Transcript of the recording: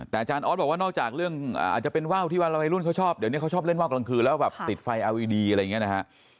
แต่อาจารย์ออสบอกว่านอกจากเรื่องอาจจะเป็นว่าวที่ว่าวัยรุ่นเขาชอบเดี๋ยวนี้เขาชอบเล่นว่าวกลางคืนแล้วแบบติดไฟอาวีดีอะไรอย่างนี้นะฮะ